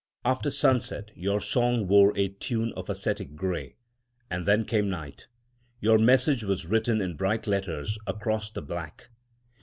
After sunset, your song wore a tune of ascetic grey, and then came night. Your message was written in bright letters across the black.